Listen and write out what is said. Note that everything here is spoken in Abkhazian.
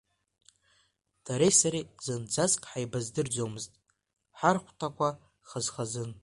Дареи сареи зынӡаск ҳаибаздырӡомызт, ҳархәҭақәа хаз-хазын.